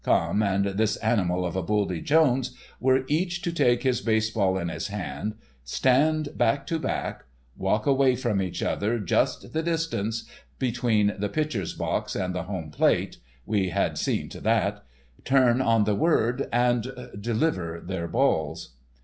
Camme and "This Animal of a Buldy Jones" were each to take his baseball in his hand, stand back to back, walk away from each other just the distance between the pitcher's box and the home plate (we had seen to that), turn on the word, and—deliver their balls.